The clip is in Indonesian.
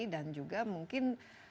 dan juga mungkin